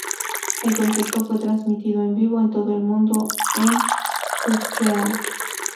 El concierto fue transmitido en vivo en todo el mundo en Ustream.tv.